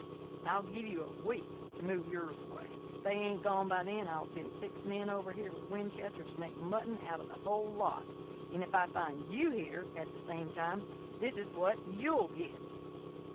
I'll give you a week to move yours away. If they ain't gone by then, I'll send six men over here with Winchesters to make mutton out of the whole lot. And if I find you here at the same time this is what you'll get."